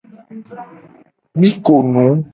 Mi ko nu.